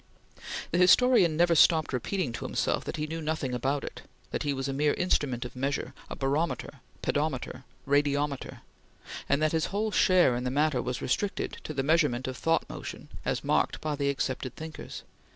The historian never stopped repeating to himself that he knew nothing about it; that he was a mere instrument of measure, a barometer, pedometer, radiometer; and that his whole share in the matter was restricted to the measurement of thought motion as marked by the accepted thinkers.